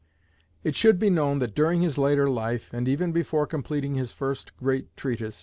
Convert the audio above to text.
It should be known that during his later life, and even before completing his first great treatise, M.